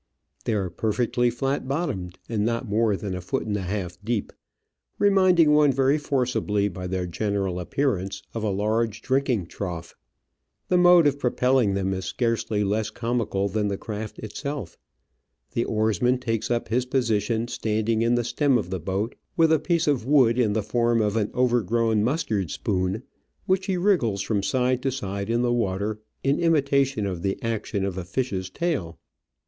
They are perfectly flat bottomed, and not more than a foot and a half deep, reminding one very forcibly by their general appearance of a large drinking trough. The mode of propelling them is scarcely less comical than the craft itself. The oarsman takes up his position standing in the stem of the boat, with a piece of D Digitized by VjOOQIC 34 Travels and Adventures wood in the form of an overgrown mustard spoon, which he wriggles from side to side in the water in imitation of the action of a fish's tail.